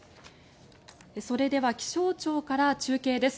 それでは気象庁から中継です。